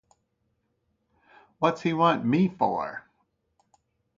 What's he want me for?